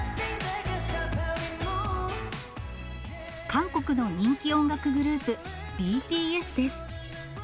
韓国の人気音楽グループ、ＢＴＳです。